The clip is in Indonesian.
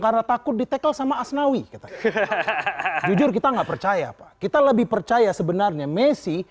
karena takut di tekel sama asnawi kita jujur kita enggak percaya kita lebih percaya sebenarnya messi